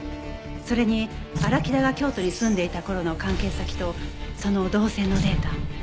それに荒木田が京都に住んでいた頃の関係先とその動線のデータ